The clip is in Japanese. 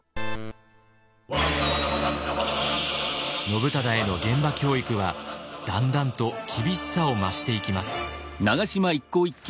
信忠への現場教育はだんだんと厳しさを増していきます。